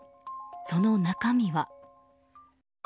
その中身は。